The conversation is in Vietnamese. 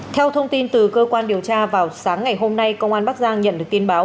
theo thông tin từ cơ quan điều tra vào sáng ngày hôm nay công an bắc giang nhận được tin báo